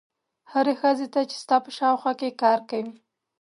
هرې ښځې ته چې ستا په شاوخوا کې کار کوي.